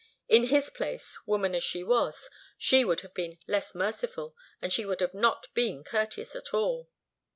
In his place, woman as she was, she would have been less merciful, and she would not have been courteous at all.